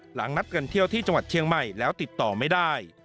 นัดกันเที่ยวที่จังหวัดเชียงใหม่แล้วติดต่อไม่ได้